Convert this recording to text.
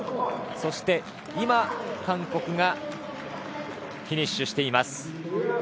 そして、今、韓国がフィニッシュしています。